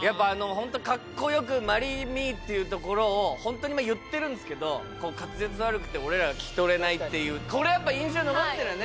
本当にかっこよく「Ｍａｒｒｙｍｅ」って言うところを本当に言ってるんですけど滑舌悪くて俺らが聞き取れないっていうこれやっぱり印象に残ってるね